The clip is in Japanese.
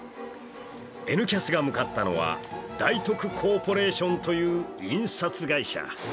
「Ｎキャス」が向かったのはダイトクコーポレーションという印刷会社。